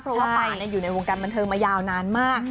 เพราะว่าปานอยู่ในวงการบันเทิงมายาวนานมาก